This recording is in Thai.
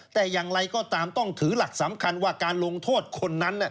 แต่อย่างไรก็ตามต้องถือหลักสำคัญว่าการลงโทษคนนั้น